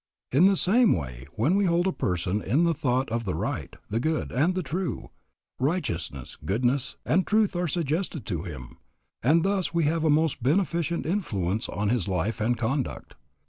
In the same way when we hold a person in the thought of the right, the good, and the true, righteousness, goodness, and truth are suggested to him, and thus we have a most beneficent influence on his life and conduct.